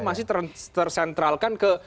masih tersentralkan ke